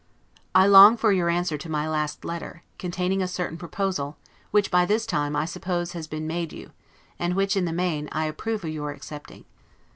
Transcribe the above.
I long for your answer to my last letter, containing a certain proposal, which, by this time, I suppose has been made you, and which, in the main, I approve of your accepting.